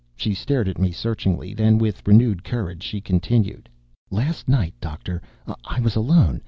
She stared at me searchingly. Then, with renewed courage, she continued. "Last night, Doctor, I was alone.